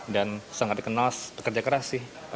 dan sangat dikenal sebagai pekerja keras